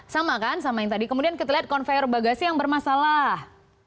sama kan sama yang tadi kemudian kita lihat konveyor bagasi yang bermasalah